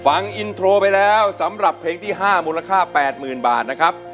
ฟังอินโทรไปแล้วสำหรับเพลงที่๕มูลค่า๘๐๐๐บาทนะครับ